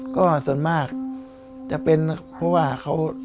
ก็ส่วนมากจะเป็นเพราะว่าเขา